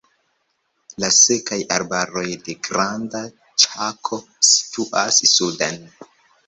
La sekaj arbaroj de Granda Ĉako situas suden.